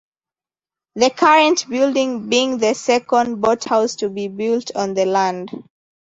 The current building being the second boathouse to be built on the land.